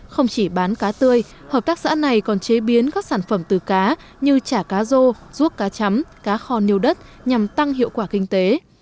không chỉ bán cá tươi hợp tác xã này còn chế biến các sản phẩm từ cá như chả cá rô ruốc cá chấm cá kho nêu đất nhằm tăng hiệu quả kinh tế